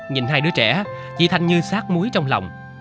nhìn hai đứa trẻ chị thanh như sát muối trong lòng